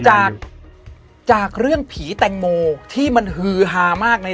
จากจากเรื่องผีแตงโมที่มันฮือฮามากใน